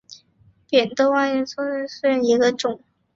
扁豆缘花介为粗面介科缘花介属下的一个种。